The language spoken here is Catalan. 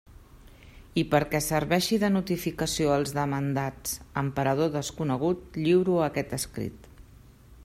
I, perquè serveixi de notificació als demandats, en parador desconegut, lliuro aquest escrit.